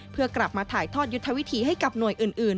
เพื่อกลับมาถ่ายทอดยุทธวิธีให้กับหน่วยอื่น